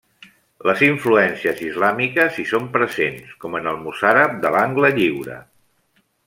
Les influències islàmiques hi són presents, com en el mocàrab de l'angle lliure.